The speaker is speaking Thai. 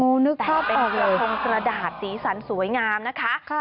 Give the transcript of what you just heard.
โอ้นึกภาพออกเลยแต่เป็นกระทงกระดาษสีสันสวยงามนะคะ